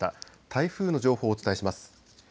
台風の情報をお伝えします。